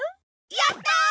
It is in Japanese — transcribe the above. やった！